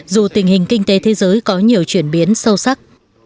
dù tình hình kinh tế thế giới có nhiều chuyển biến sâu sắc